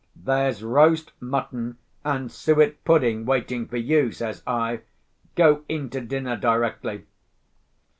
"There's roast mutton and suet pudding waiting for you!" says I. "Go in to dinner directly.